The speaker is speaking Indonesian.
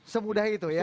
semudah itu ya